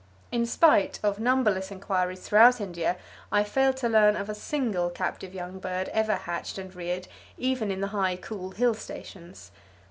In spite of numberless inquiries throughout India, I failed to learn of a single captive young bird ever hatched and reared even in the high, cool, hill stations.